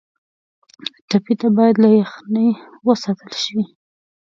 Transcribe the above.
ټپي ته باید له یخنۍ وساتل شي.